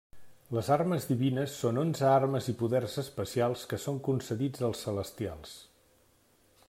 Les Armes Divines són onze armes i poders especials que són concedits als Celestials.